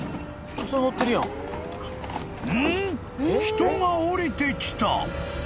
人が降りてきた］